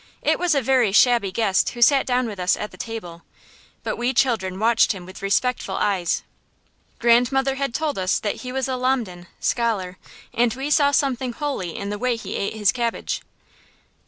It was a very shabby guest who sat down with us at table, but we children watched him with respectful eyes. Grandmother had told us that he was a lamden (scholar), and we saw something holy in the way he ate his cabbage.